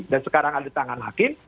dan sekarang ada tangan hakim